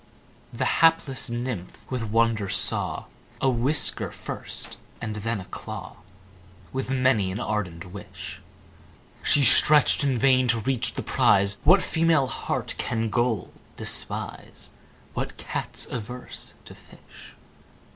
The hapless Nymph with wonder saw: A whisker first and then a claw, With many an ardent wish, She stretch'd in vain to reach the prize. What female heart can gold despise? What Cat's averse to fish?